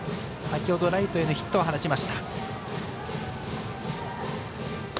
先ほどライトへのヒットを放ちました。